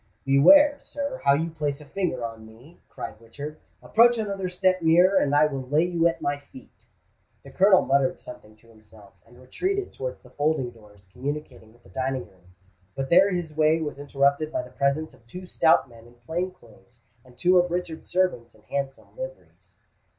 "Beware, sir, how you place a finger on me!" cried Richard. "Approach another step nearer, and I will lay you at my feet!" The Colonel muttered something to himself, and retreated towards the folding doors communicating with the dining room; but there his way was interrupted by the presence of two stout men in plain clothes and two of Richard's servants in handsome liveries.